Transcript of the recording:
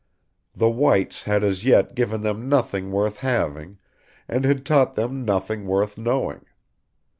The whites had as yet given them nothing worth having, and had taught them nothing worth knowing.